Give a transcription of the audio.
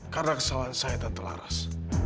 karena kesalahan saya tante laras